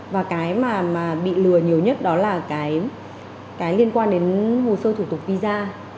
và cái mà bị lừa nhiều nhất đó là cái liên quan đến hồ sơ thủ tục visa